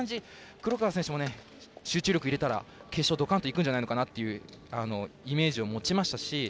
黒川選手も集中力入れたら決勝ドカンといくんじゃないかなというイメージを持ちましたし